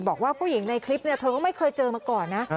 บอกว่าผู้หญิงในคลิปเธอก็ไม่เคยเจอมาก่อนนะ